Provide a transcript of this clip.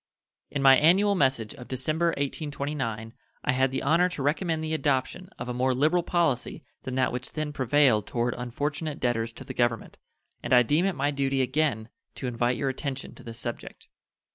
In my annual message of December, 1829, I had the honor to recommend the adoption of a more liberal policy than that which then prevailed toward unfortunate debtors to the Government, and I deem it my duty again to invite your attention to this subject.